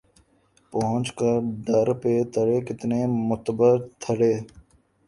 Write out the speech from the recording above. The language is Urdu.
پہنچ کے در پہ ترے کتنے معتبر ٹھہرے